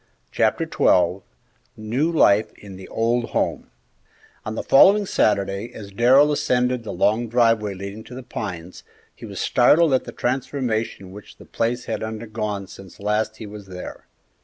Chapter XII NEW LIFE IN THE OLD HOME On the following Saturday, as Darrell ascended the long driveway leading to The Pines, he was startled at the transformation which the place had undergone since last he was there.